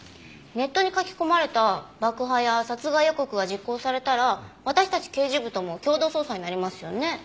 ネットに書き込まれた爆破や殺害予告が実行されたら私たち刑事部とも共同捜査になりますよね。